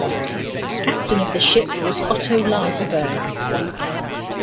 Captain of the ship was Otto Lagerberg.